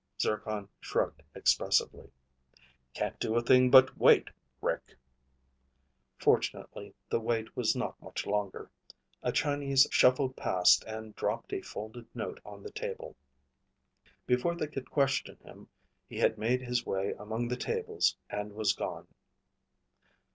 Zircon shrugged expressively. "Can't do a thing but wait, Rick." Fortunately, the wait was not much longer. A Chinese shuffled past and dropped a folded note on the table. Before they could question him, he had made his way among the tables and was gone.